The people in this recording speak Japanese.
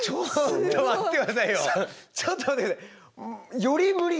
ちょっと待って下さい。